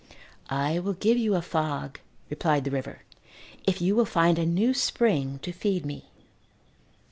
"I will give you a fog," replied the river, "if you will find a new spring to feed me."